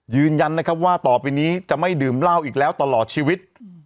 ยืนยันนะครับว่าต่อไปนี้จะไม่ดื่มเหล้าอีกแล้วตลอดชีวิต